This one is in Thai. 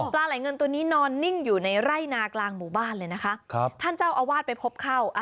ปลาไหลเงินตัวนี้นอนนิ่งอยู่ในไร่นากลางหมู่บ้านเลยนะคะครับท่านเจ้าอาวาสไปพบเข้า